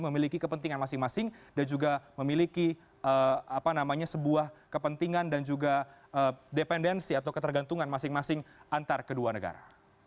memiliki kepentingan masing masing dan juga memiliki sebuah kepentingan dan juga dependensi atau ketergantungan masing masing antar kedua negara